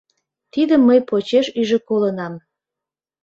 Тидым мый почеш иже колынам.